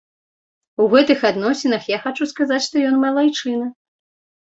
У гэтых адносінах я хачу сказаць, што ён малайчына.